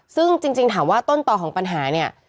ซึ่งจริงถามว่าต้นต่อของปัญหาเนี่ย